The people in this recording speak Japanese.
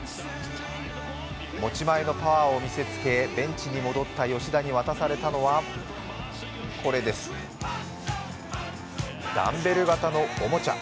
持ち前のパワーを見せつけ、ベンチに戻った吉田に渡されたのは、これです、ダンベル型のおもちゃ。